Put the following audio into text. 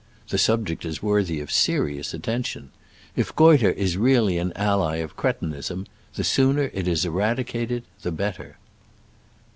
The subject is worthy of serious atten tion. If goitre is really an ally of cre tinism, the sooner it is eradicated the better.